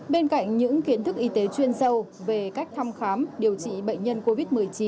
bên cạnh những kiến thức y tế chuyên sâu về cách thăm khám điều trị bệnh nhân covid một mươi chín